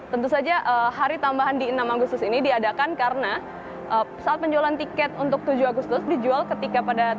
tentu saja hari tambahan di enam agustus ini diadakan karena saat penjualan tiket untuk tujuh agustus dijual ketika pada